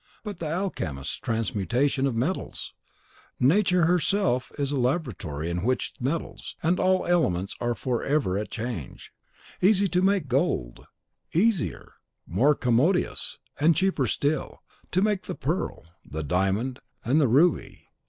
"But the alchemist's transmutation of metals " "Nature herself is a laboratory in which metals, and all elements, are forever at change. Easy to make gold, easier, more commodious, and cheaper still, to make the pearl, the diamond, and the ruby.